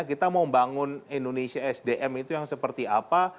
kita mau membangun indonesia sdm itu yang seperti apa